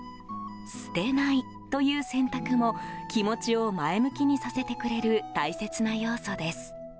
捨てないという選択も気持ちを前向きにさせてくれる大切な要素です。